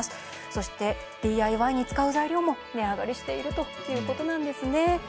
そして、ＤＩＹに使う材料も値上がりしているということなんですね。